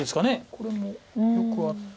これもよくあって。